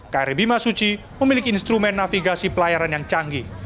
kri bimasuci memiliki instrumen navigasi pelayaran yang canggih